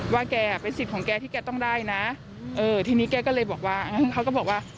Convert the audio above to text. ว่าแกเป็นสิทธิ์ของแกที่แกต้องได้นะทีนี้แกก็เลยบอกว่า